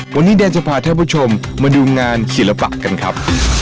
วันนี้แดนจะพาท่านผู้ชมมาดูงานศิลปะกันครับ